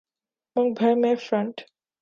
ملک بھر میں فرنٹ